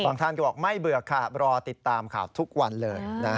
ฝั่งทางเขาบอกไม่เบือกค่ะรอติดตามข่าวทุกวันเลยนะฮะ